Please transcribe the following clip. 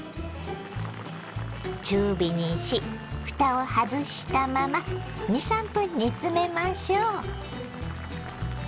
中火にしふたを外したまま２３分煮詰めましょう。